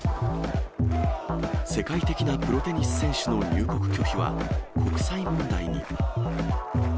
世界的なプロテニス選手の入国拒否は、国際問題に。